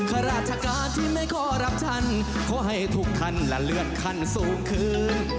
ข้าราชการที่ไม่ขอรับฉันขอให้ทุกท่านละเลือดขั้นสูงคืน